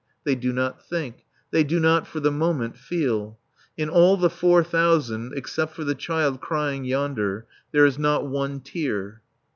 They do not think. They do not, for the moment, feel. In all the four thousand except for the child crying yonder there is not one tear.